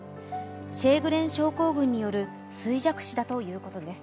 シエーグレン症候群による衰弱死だということです。